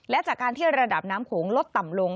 และจากการที่ระดับน้ำโขงลดต่ำลง